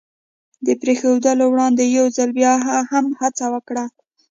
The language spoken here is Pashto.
د پرېښودلو وړاندې یو ځل بیا هم هڅه وکړه.